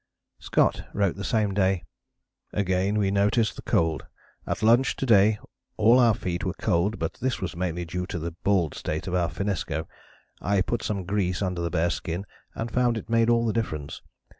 Scott wrote the same day: "Again we noticed the cold; at lunch to day all our feet were cold but this was mainly due to the bald state of our finnesko. I put some grease under the bare skin and found it make all the difference.